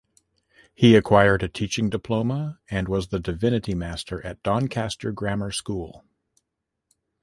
He acquired a teaching diploma and was the divinity master at Doncaster Grammar School.